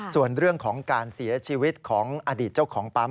ส่วนเรื่องของการเสียชีวิตของอดีตเจ้าของปั๊ม